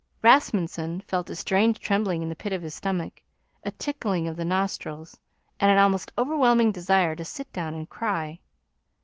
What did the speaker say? Rasmunsen felt a strange trembling in the pit of his stomach, a tickling of the nostrils, and an almost overwhelming desire to sit down and cry.